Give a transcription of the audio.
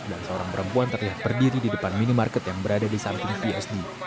dan seorang perempuan terlihat berdiri di depan minimarket yang berada di samping psd